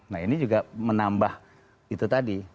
nah ini juga menambah itu tadi